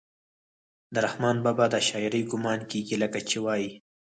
د رحمان بابا د شاعرۍ ګمان کيږي لکه چې وائي: